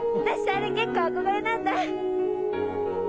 あれ結構憧れなんだ！